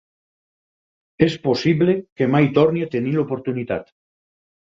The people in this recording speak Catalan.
És possible que mai torni a tenir l'oportunitat.